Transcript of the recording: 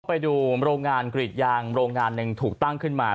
ไปดูโรงงานกรีดยางโรงงานหนึ่งถูกตั้งขึ้นมา